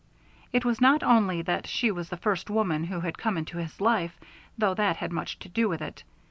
It was not only that she was the first woman who had come into his life, though that had much to do with it.